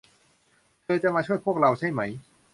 เธอจะมาช่วยพวกเราใช่ไหม